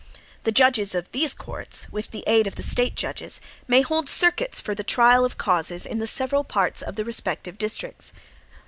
The judges of these courts, with the aid of the State judges, may hold circuits for the trial of causes in the several parts of the respective districts.